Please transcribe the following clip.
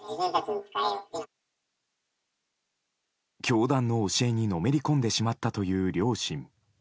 教団の教えにのめり込んでしまったという両親。